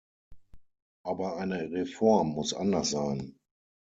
Aber eine Reform muss anders sein.